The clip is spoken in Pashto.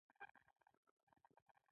اسلام په درېو سطحو مطرح کوي.